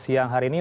siang hari ini